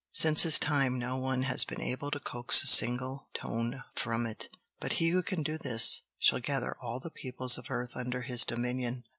Since his time no one has been able to coax a single tone from it. But he who can do this, shall gather all the peoples of earth under his dominion."